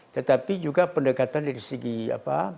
tetapi juga pendekatan dari segi apa